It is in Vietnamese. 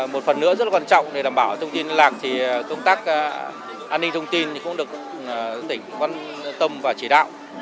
một phần nữa rất là quan trọng để đảm bảo thông tin liên lạc thì công tác an ninh thông tin cũng được tỉnh quan tâm và chỉ đạo